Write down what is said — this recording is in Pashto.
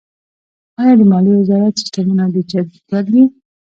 آیا د مالیې وزارت سیستمونه ډیجیټل دي؟